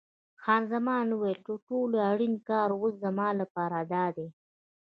خان زمان وویل: تر ټولو اړین کار اوس زما لپاره دادی.